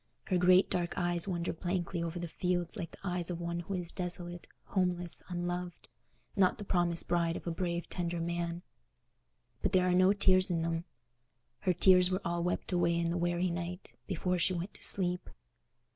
Her great dark eyes wander blankly over the fields like the eyes of one who is desolate, homeless, unloved, not the promised bride of a brave tender man. But there are no tears in them: her tears were all wept away in the weary night, before she went to sleep.